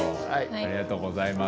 ありがとうございます。